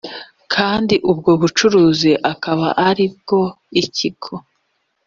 kandi ubwo bucuruzi akaba ari ubwo Ikigo